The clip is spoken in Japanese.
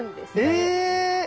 え